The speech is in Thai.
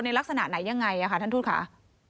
ลักษณะไหนยังไงท่านทูตค่ะ